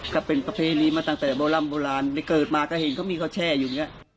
ก็เป็นประเภทนี้มาตั้งแต่โบราณเมื่อเกิดมาก็เห็นเขามีข้าวแช่อยู่